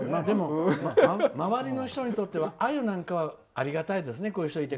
でも、周りの人にとってはアユなんかはありがたいですよね。